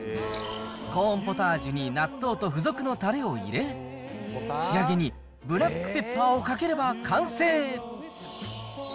コーンポタージュに納豆と付属のたれを入れ、仕上げにブラックペッパーをかければ完成。